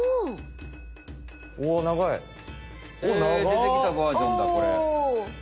でてきたバージョンだこれ。